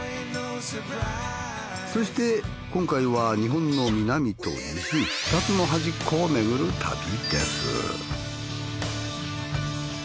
そして今回は日本の南と西２つの端っこを巡る旅です。